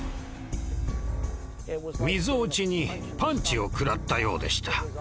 みぞおちにパンチを食らったようでした。